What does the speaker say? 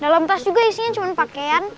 dalam tas juga isinya cuma pakaian